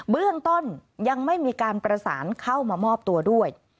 เบื้องต้นยังไม่มีการประสานเข้ามามอบตัวด้วย